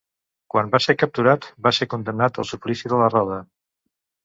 Quan va ser capturat, va ser condemnat al suplici de la roda.